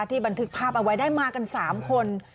บันทึกภาพเอาไว้ได้มากัน๓คน